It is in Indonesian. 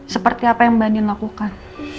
seperti apa yang mbak nin lakukan